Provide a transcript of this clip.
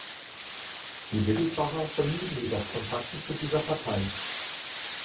Die Wittelsbacher vermieden jedoch Kontakte zu dieser Partei.